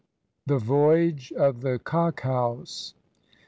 THE VOYAGE OF THE COCK HOUSE.